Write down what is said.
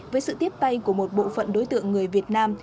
với sự tiếp tay của một bộ phận đối tượng người việt nam